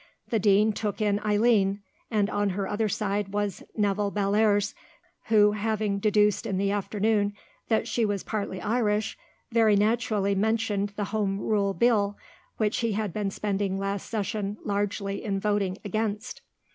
The Dean took in Eileen, and on her other side was Nevill Bellairs, who, having deduced in the afternoon that she was partly Irish, very naturally mentioned the Home Rule Bill, which he had been spending last session largely in voting against.